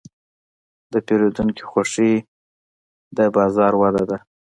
د پیرودونکي خوښي د بازار وده ده.